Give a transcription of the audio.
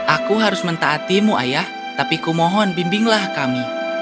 aku harus mentaatimu ayah tapi kumohon bimbinglah kami